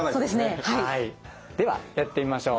ではやってみましょう。